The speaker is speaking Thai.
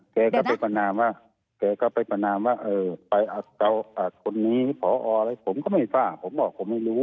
แกก็ไปประนามว่าไปอาจคนนี้ขออออะไรผมก็ไม่ตลาดผมบอกผมไม่รู้